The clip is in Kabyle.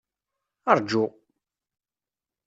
Rǧu!